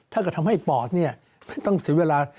ถ้าก็ทำให้ปอดไม่ต้องเสียเวลา